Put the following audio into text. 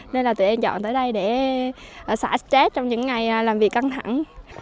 nên là tụi em dọn tới đây để xả stress trong những ngày làm việc căng thẳng